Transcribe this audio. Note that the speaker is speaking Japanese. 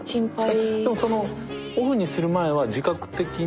えっでもオフにする前は自覚的に。